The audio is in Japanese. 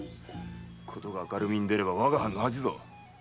ことが明るみに出ればわが藩の恥ぞ。